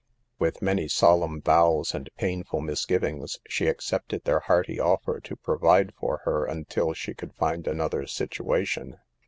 With many solemn vows and painful misgivings she accepted their hearty offer to provide for her until she could find another situation.